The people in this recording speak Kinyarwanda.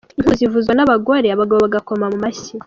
Impundu zivuzwa n’abagore, abagabo bagakoma mu mashyi.